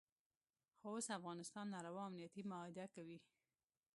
خو اوس افغانستان ناروا امنیتي معاهده کوي.